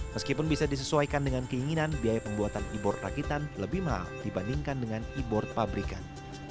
meskipun bisa disesuaikan dengan keinginan biaya pembuatan e board rakitan lebih mahal dibandingkan dengan e board pabrikan